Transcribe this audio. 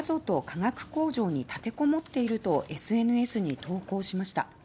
化学工場に立てこもっているとＳＮＳに投稿しました。